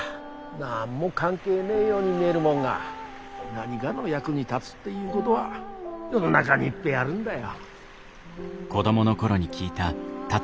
何も関係ねえように見えるもんが何がの役に立つっていうごどは世の中にいっぺえあるんだよ。